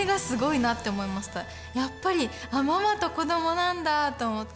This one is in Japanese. やっぱりママと子どもなんだと思って。